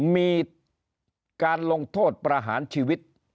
มีการลงโทษประหารชีวิต